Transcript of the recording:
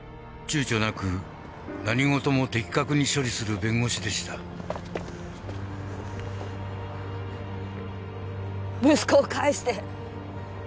躊躇なく何ごとも的確に処理する弁護士でした息子を返して！